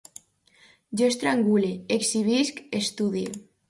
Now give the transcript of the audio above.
Jo estrangule, exhibisc, estudie